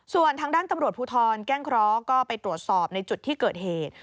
ส่วนทางด้านตำรวจภูทรแก้งเคราะห์ก็ไปตรวจสอบในจุดที่เกิดเหตุ